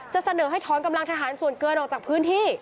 เสนอให้ถอนกำลังทหารส่วนเกินออกจากพื้นที่